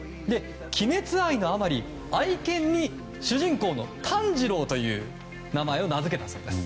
「鬼滅」愛のあまり愛犬に主人公の炭治郎という名前を名付けたそうです。